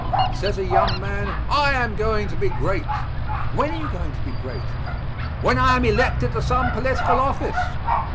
Says a young man: "I am going to be great." "When are you going to be great?" "When I am elected to some political office."